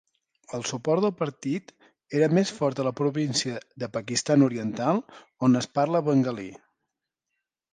El suport del partit era més fort a la província de Pakistan Oriental, on es parla bengalí.